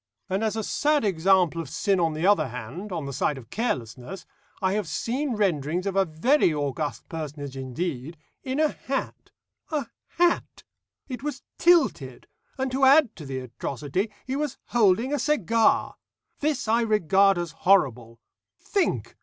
And, as a sad example of sin on the other hand, on the side of carelessness, I have seen renderings of a very august personage indeed, in a hat a hat! It was tilted, and to add to the atrocity, he was holding a cigar. This I regard as horrible. Think!